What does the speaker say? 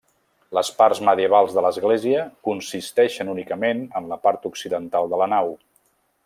Les parts medievals de l'església consisteixen únicament en la part occidental de la nau.